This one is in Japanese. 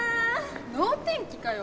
脳天気かよ